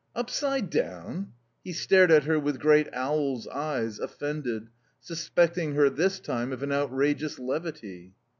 "Upside down?" He stared at her with great owl's eyes, offended, suspecting her this time of an outrageous levity.